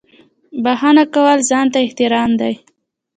• بښنه کول ځان ته احترام دی.